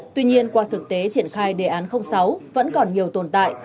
tuy nhiên qua thực tế triển khai đề án sáu vẫn còn nhiều tồn tại